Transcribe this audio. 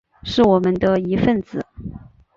是我们的一分子